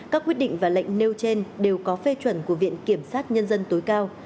các quyết định và lệnh nêu trên đều có phê chuẩn của viện kiểm sát nhân dân tối cao